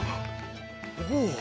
おお！